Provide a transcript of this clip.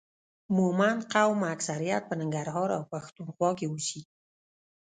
مومند قوم اکثریت په ننګرهار او پښتون خوا کې اوسي